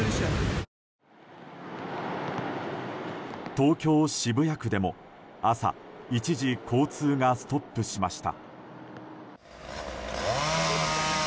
東京・渋谷区でも朝、一時交通がストップしました。